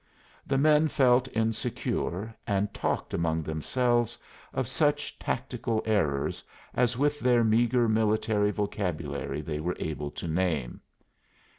The men felt insecure and talked among themselves of such tactical errors as with their meager military vocabulary they were able to name.